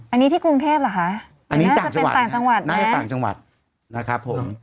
อันนี้ที่กรุงเทพเหรอคะอันนี้น่าจะเป็นต่างจังหวัดนะต่างจังหวัดนะครับผม